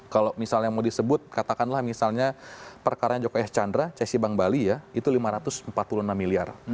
kalau misalnya mau disebut katakanlah misalnya perkara joko es chandra cesi bank bali ya itu lima ratus empat puluh enam miliar